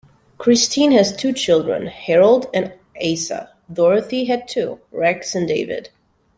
Christine has two children, Herold and Asa; Dorothy had two, Rex and David.